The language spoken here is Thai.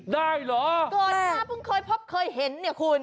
ได้หรอแต่ก่อนหน้าพบเคยเห็นเนี่ยคุณ